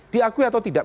diakui atau tidak